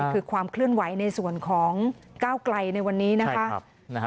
คือความเคลื่อนไหวในส่วนของก้าวไกลในวันนี้นะคะ